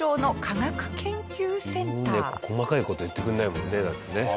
犬猫細かい事言ってくれないもんねだってね。